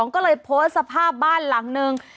ก็เลยโพสต์สภาพบ้านหลังนึง